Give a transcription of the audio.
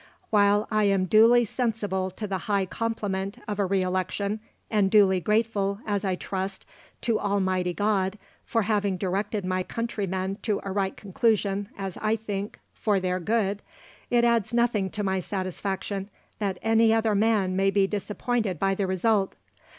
While I am duly sensible to the high compliment of a re election, and duly grateful, as I trust, to Almighty God for having directed my countrymen to a right conclusion, as I think, for their good, it adds nothing to my satisfaction that any other man may be disappointed by the result.